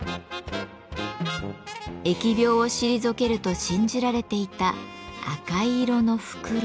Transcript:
疫病を退けると信じられていた赤い色の梟。